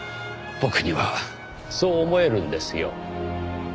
僕にはそう思えるんですよ。